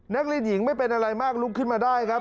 นักเรียนหญิงไม่เป็นอะไรมากลุกขึ้นมาได้ครับ